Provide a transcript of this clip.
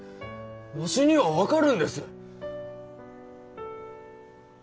わしには分かるんです